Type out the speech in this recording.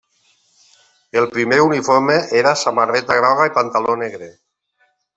El primer uniforme era samarreta groga i pantaló negre.